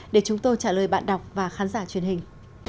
để chúng tôi trả lời bạn đọc và khán giả truyền hình